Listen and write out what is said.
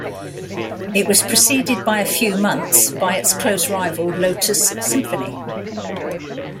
It was preceded by a few months by its close rival Lotus Symphony.